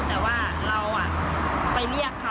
แต่ว่าเราไปเรียกเขา